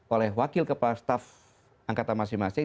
oleh wakil kepala staf angkatan masing masing